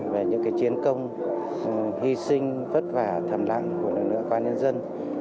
về những cái chiến công hy sinh vất vả thầm lặng của lực lượng quan nhân dân